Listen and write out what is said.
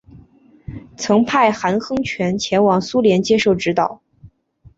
曾派韩亨权前往苏联接受领导。